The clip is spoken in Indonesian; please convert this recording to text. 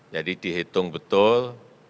jadi dihitung betul